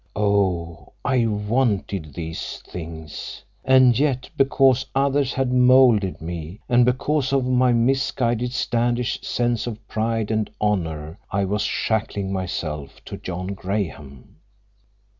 Oh, I wanted these things, and yet because others had molded me, and because of my misguided Standish sense of pride and honor, I was shackling myself to John Graham.